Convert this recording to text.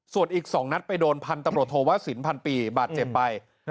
ส่วนอีก๒นัดไปโดนพันธุ์ตำรวจโทวะสินพันปีบาดเจ็บไป